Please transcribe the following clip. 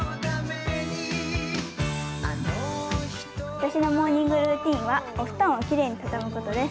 私のモーニングルーチンはお布団をきれいに畳むことです。